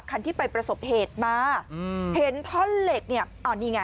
คันที่ไปประสบเหตุมาอืมเห็นท่อนเหล็กเนี่ยอ้าวนี่ไง